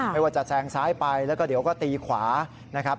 ไม่ว่าจะแซงซ้ายไปแล้วก็เดี๋ยวก็ตีขวานะครับ